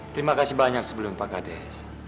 terima kasih banyak sebelum pak kades